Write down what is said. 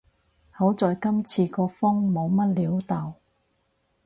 好在今次個風冇乜料到